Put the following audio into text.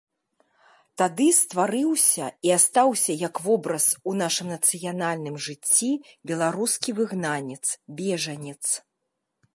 Тады стварыўся і астаўся як вобраз у нашым нацыянальным жыцці беларускі выгнанец, бежанец.